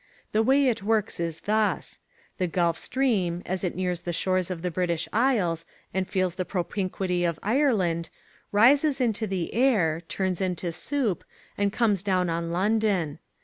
The way it works is thus: The Gulf Stream, as it nears the shores of the British Isles and feels the propinquity of Ireland, rises into the air, turns into soup, and comes down on London.